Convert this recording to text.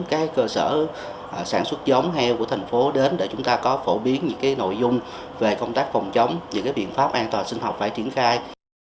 các cơ sở sản xuất giống heo của thành phố đến để chúng ta có phổ biến những nội dung về công tác phòng chống những biện pháp an toàn sinh học phải triển khai